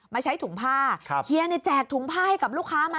ใช้ถุงผ้าเฮียในแจกถุงผ้าให้กับลูกค้ามา